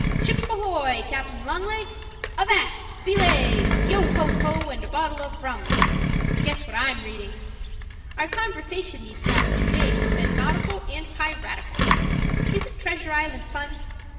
Ship Ahoy, Cap'n Long Legs! Avast! Belay! Yo, ho, ho, and a bottle of rum. Guess what I'm reading? Our conversation these past two days has been nautical and piratical. Isn't Treasure Island fun?